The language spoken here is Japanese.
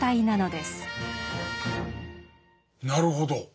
なるほど。